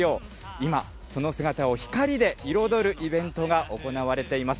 今、その姿を光で彩るイベントが行われています。